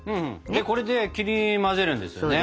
でこれで切り混ぜるんですよね？